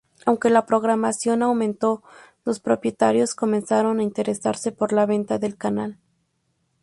Aunque la programación aumentó, los propietarios comenzaron a interesarse por la venta del canal.